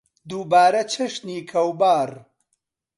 دووبارە چەشنی کەوباڕ